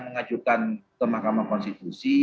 mengajukan ke mahkamah konstitusi